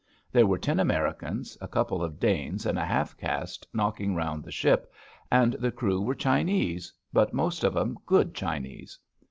There were ten Americans, a couple of Danes and a half caste knocking round the ship, and the crew were Chi nese, but most of 'em good Chinese.